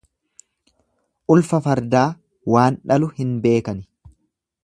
Ulfa fardaa waan dhalu hin beekani.